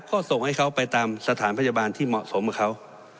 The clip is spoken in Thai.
ก็ส่งให้เขาไปตามสถานพยาบาลที่เหมาะสมกับเขา